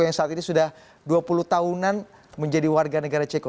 yang saat ini sudah dua puluh tahunan menjadi warga negara ceko